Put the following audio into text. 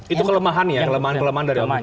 itu kelemahan ya kelemahan kelemahan dari omnibus law